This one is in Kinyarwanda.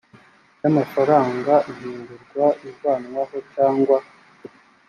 by amafaranga ihindurwa ivanwaho cyangwa